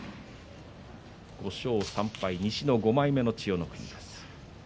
５勝３敗、西の５枚目の千代の国です。